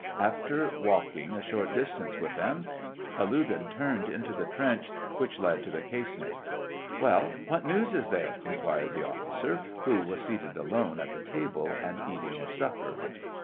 After walking a short distance with them, Kalugin turned into the trench, which led to the casemate. " Well, what news is there ?" inquired the offi cer, who was seated alone at the table, and eating his supper.